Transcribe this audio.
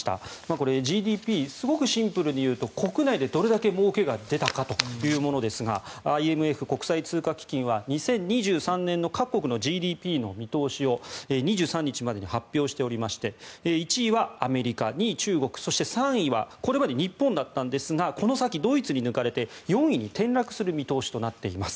これ、ＧＤＰすごくシンプルに言うと国内でどれだけもうけが出たかというものですがＩＭＦ・国際通貨基金は２０２３年の各国のＧＤＰの見通しを２３日までに発表しておりまして１位はアメリカ２位、中国そして３位はこれまで日本だったんですがこの先、ドイツに抜かれて４位に転落する見通しとなっています。